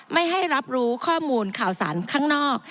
ไม่ให้รับรู้ข้อมูลข่าวสารข้างนอก